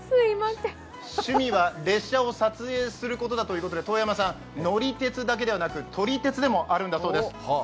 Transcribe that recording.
趣味は列車を撮影することだということで、遠山さん、乗り鉄だけでなく撮り鉄でもあるんだそうです。